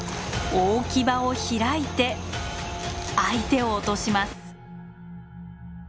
大キバを開いて相手を落とします。